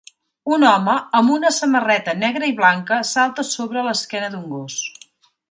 un home amb una samarreta negra i blanca salta sobre l'esquena d'un gos